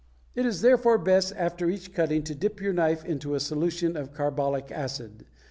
It is therefore best after each cutting to dip your knife into a solution of carbolic acid.